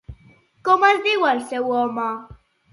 Com es diu el seu home?